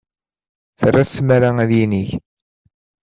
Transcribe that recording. Terra-t tmara ad yinig.